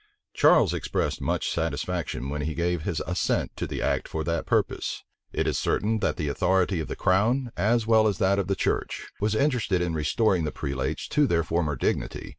Charles expressed much satisfaction when he gave his assent to the act for that purpose. It is certain that the authority of the crown, as well as that of the church, was interested in restoring the prelates to their former dignity.